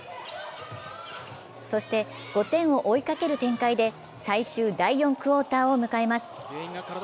そして、５点を追いかける展開で最終第４クオーターを迎えます。